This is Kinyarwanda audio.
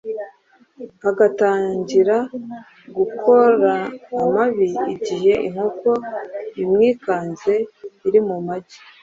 agatangira gukora amabi. Igihe inkoko imwikanze iri mu magi,